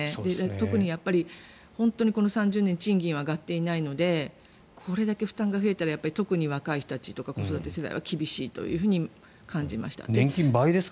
特に本当にこの３０年賃金は上がっていないのでこれだけ負担が増えたら特に若い人たちとか子育て世代は厳しいと感じました。